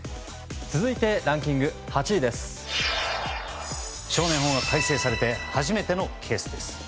続いて、ランキング８位です。